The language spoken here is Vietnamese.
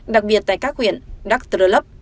đặc biệt tại các huyện đắc trơ lấp